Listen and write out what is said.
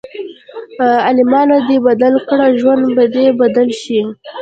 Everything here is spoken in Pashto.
عملونه دې بدل کړه ژوند به دې بدل شي.